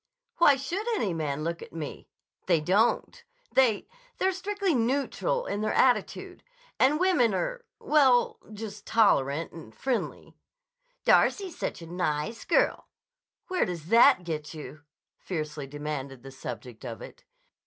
Why should any man look at me? They don't. They—they're strictly neutral in their attitude. And women are—well—just tolerant and friendly. 'Darcy's such a nice girl.' Where does that get you?" fiercely demanded the subject of it.